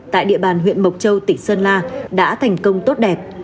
tại địa bàn huyện mộc châu tỉnh sơn la đã thành công tốt đẹp